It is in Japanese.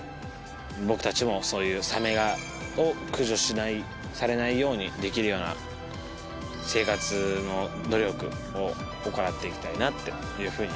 僕たちもサメを駆除しないされないようにできるような生活の努力を行っていきたいなっていう風に思いました。